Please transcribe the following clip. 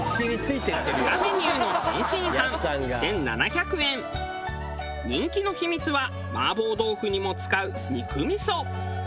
裏メニューの人気の秘密は麻婆豆腐にも使う肉味噌。